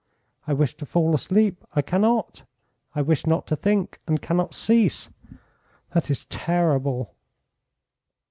I wish to fall asleep, I cannot. I wish not to think, and cannot cease. That is terrible!"